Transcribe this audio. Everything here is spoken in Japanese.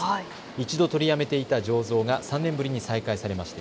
一度取りやめていた醸造が３年ぶりに再開されました。